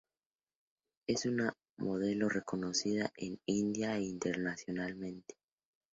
Es una modelo reconocida en India e internacionalmente.